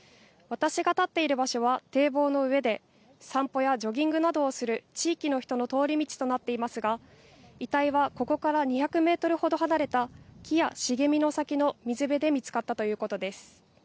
私が立っている場所は、堤防の上で、散歩やジョギングなどをする地域の人の通り道となっていますが、遺体はここから２００メートルほど離れた、木や茂みの先の水辺で見つかったということです。